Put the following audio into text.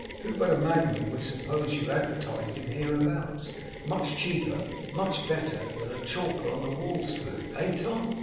Who but a madman would suppose you advertised him hereabouts, much cheaper and much better than a chalker on the walls could, eh, Tom?